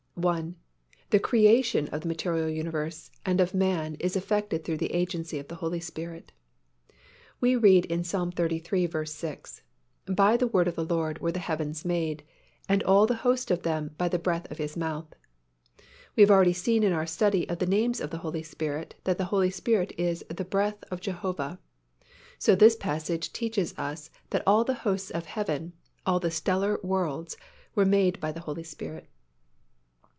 I. The creation of the material universe and of man is effected through the agency of the Holy Spirit. We read in Ps. xxxiii. 6, "By the word of the LORD were the heavens made; and all the host of them by the breath of His mouth." We have already seen in our study of the names of the Holy Spirit that the Holy Spirit is the breath of JEHOVAH, so this passage teaches us that all the hosts of heaven, all the stellar worlds, were made by the Holy Spirit.